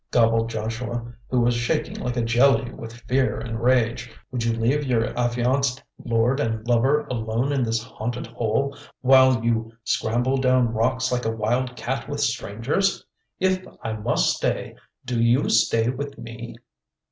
gobbled Joshua, who was shaking like a jelly with fear and rage. "Would you leave your affianced lord and lover alone in this haunted hole while you scramble down rocks like a wild cat with strangers? If I must stay, do you stay with me?"